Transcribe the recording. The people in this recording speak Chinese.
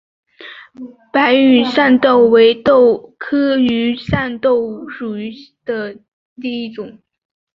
白羽扇豆为豆科羽扇豆属下的一个种。